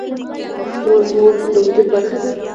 پښتو زموږ د وجود برخه ده.